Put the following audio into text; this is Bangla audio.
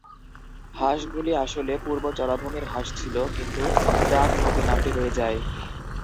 হাঁসগুলি আসলে পূর্ব জলাভূমির হাঁস ছিল, কিন্তু ডাক নদী নামটি রয়ে যায়।